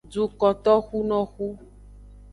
Dukotoxunoxu.